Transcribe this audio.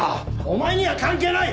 お前には関係ない！